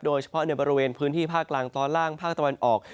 โดยเฉพาะในบริเวณพื้นที่ภาคกลางตอนล่างภาคตะวันออก